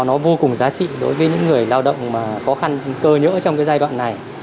nó vô cùng giá trị đối với những người lao động mà khó khăn cơ nhỡ trong cái giai đoạn này